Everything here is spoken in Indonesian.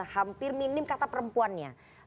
hampir minim kata perempuannya